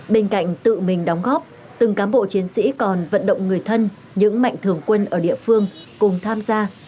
bên cạnh tự mình đóng góp từng cám bộ chiến sĩ còn vận động người thân những mạnh thường quân ở địa phương cùng tham gia